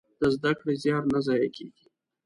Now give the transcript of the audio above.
د زده کړې زيار نه ضايع کېږي.